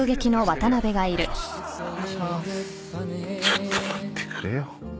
ちょっと待ってくれよ。